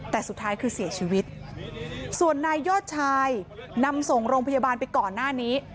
แต่สุดท้ายคือเสียชีวิตส่วนนายยอดชายนำส่งโรงพยาบาลไปก่อนหน้านี้